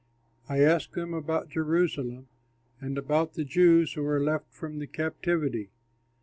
I asked them about Jerusalem and about the Jews who were left from the captivity.